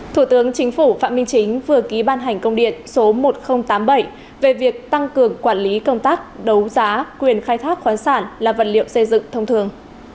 thủ tướng chính phủ phạm minh chính vừa ký ban hành công điện số một nghìn tám mươi bảy về việc tăng cường quản lý công tác đấu giá quyền khai thác khoản sản là vật liệu xây dựng thông thường